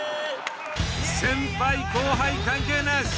先輩後輩関係なし。